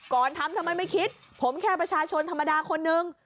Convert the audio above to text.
ก่อนทำทำไมไม่คิดผมแค่ประชาชนธรรมดาคนนึง